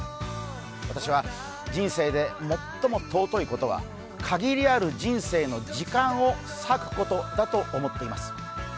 私は人生で最も尊いことは限りある人生の時間を割くことだと思っています。